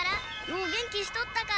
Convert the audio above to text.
「よお元気しとったか」